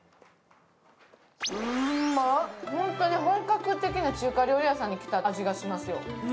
本当に本格的な中華料理屋さんに来た味がしますよ。